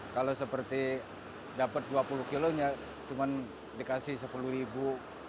kalau seperti dapat dua puluh kilo ya cuman dikasih sepuluh ribu